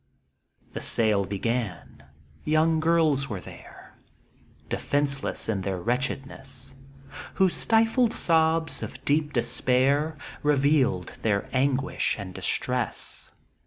The sale began — young girls were there, Defenceless in their wretchedness, Whose stifled sobs of deep despair Revealed their anguish and distress.